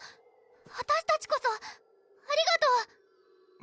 あたしたちこそありがとう！